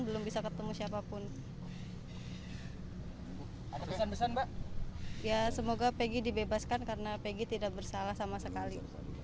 belum bisa ketemu siapapun ya semoga peggy dibebaskan karena pegg tidak bersalah sama sekali